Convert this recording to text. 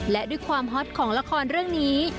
และด้วยความฮอตของละครเรื่องนี้